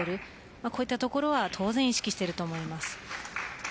こういうところは意識していると思います。